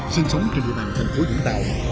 sinh sống trên địa bàn thành phố vũng tàu